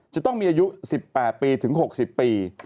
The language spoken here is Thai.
จะต้องมีอายุ๑๘ปีถึง๖๐ปี